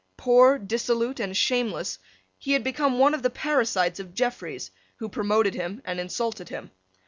Poor, dissolute, and shameless, he had become one of the parasites of Jeffreys, who promoted him and insulted him.